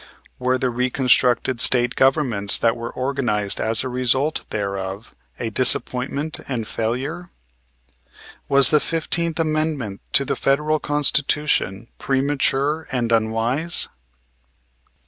Were the reconstructed State Governments that were organized as a result thereof a disappointment and a failure? Was the Fifteenth Amendment to the Federal Constitution premature and unwise?